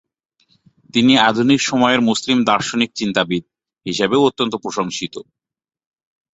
তিনি "আধুনিক সময়ের মুসলিম দার্শনিক চিন্তাবিদ" হিসাবেও অত্যন্ত প্রশংসিত।